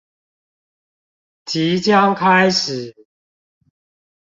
即將開始